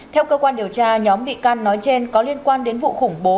theo cơ quan điều tra nhóm bị can nói trên có liên quan đến vụ khủng bố